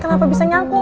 kenapa bisa nyangkut